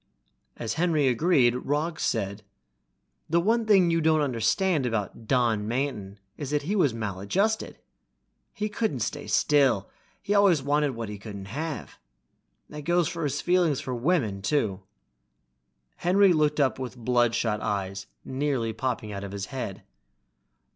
As Henry agreed, Roggs said, "The one thing you don't understand about Don Manton is that he was maladjusted. He couldn't stay still, he always wanted what he couldn't have. That goes for his feelings for women, too." Henry looked up with bloodshot eyes nearly popping out of his head.